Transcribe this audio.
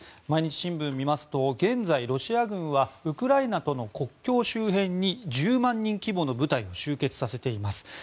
毎日新聞を見ますと現在、ロシア軍はウクライナとの国境周辺に１０万人規模の部隊を集結させています。